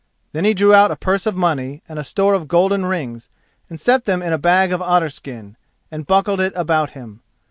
Then he drew out a purse of money and a store of golden rings, and set them in a bag of otter skin, and buckled it about him.